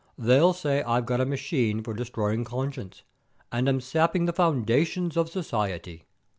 They'll say I've got a machine for destroying conscience, and am sapping the foundations of society.